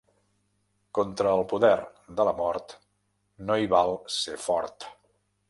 Contra el poder de la mort, no hi val ser fort.